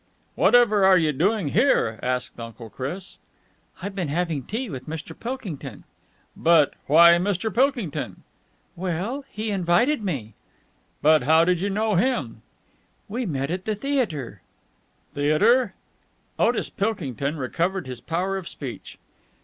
"Whatever are you doing here?" asked Uncle Chris. "I've been having tea with Mr. Pilkington." "But ... but why Mr. Pilkington?" "Well, he invited me." "But how do you know him?" "We met at the theatre." "Theatre?" Otis Pilkington recovered his power of speech.